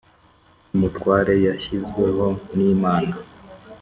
Umutware yashyizweho n ‘Imana